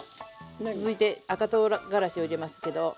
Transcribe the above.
続いて赤とうがらしを入れますけど。